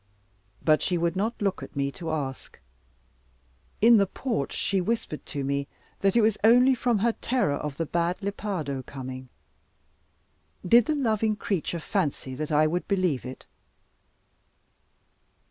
But she would not look at me to ask. In the porch she whispered to me, that it was only from her terror of the bad Lepardo coming. Did the loving creature fancy that I would believe it?